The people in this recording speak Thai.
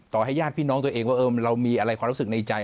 ให้ญาติพี่น้องตัวเองว่าเรามีอะไรความรู้สึกในใจ